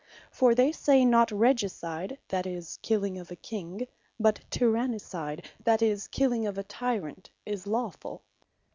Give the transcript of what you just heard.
For they say not Regicide, that is, killing of a King, but Tyrannicide, that is, killing of a Tyrant is lawfull.